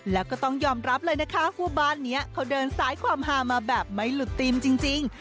แล้วก็ต้องยอมรับเลยนะคะว่าบ้านนี้เขาเดินสายความฮามาแบบไม่หลุดทีมจริง